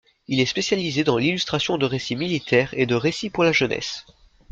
Il est spécialisé dans l’illustration de récits militaires et de récits pour la jeunesse.